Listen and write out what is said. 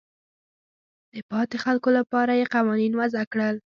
د پاتې خلکو لپاره یې قوانین وضع کړل.